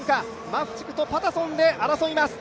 マフチクとパタソンで争います。